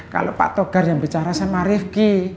kalau pak togar yang bicara sama rifki